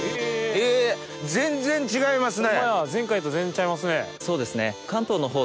全然違いますね。